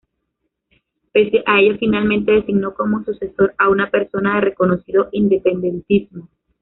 Pese a ello, finalmente designó como sucesor a una persona de reconocido independentismo.